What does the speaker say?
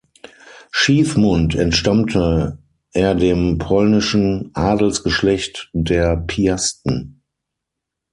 Schiefmund entstammte er dem polnischen Adelsgeschlecht der Piasten.